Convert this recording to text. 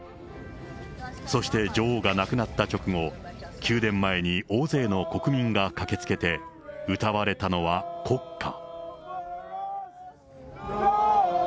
そして女王が亡くなった直後、宮殿前に大勢の国民が駆けつけて、歌われたのは国歌。